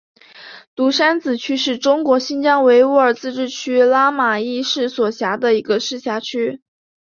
独山子区是中国新疆维吾尔自治区克拉玛依市所辖的一个市辖区。